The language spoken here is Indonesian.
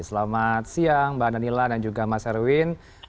selamat siang mbak danila dan juga mas erwin